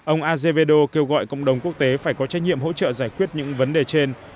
ông azevedo kêu gọi cộng đồng quốc tế phải có trách nhiệm hỗ trợ giải quyết những vấn đề trên